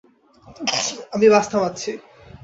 আমি বাস থামাচ্ছি।